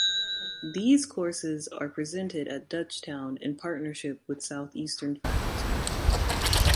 These courses are presented at Dutchtown in partnership with Southeastern faculty.